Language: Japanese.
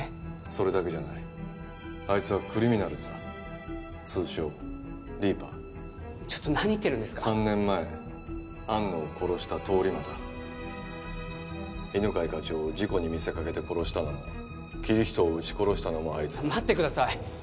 それだけじゃないあいつはクリミナルズだ通称リーパーちょっと何言ってるんですか３年前安野を殺した通り魔だ犬飼課長を事故に見せかけて殺したのもキリヒトを撃ち殺したのもあいつだ待ってください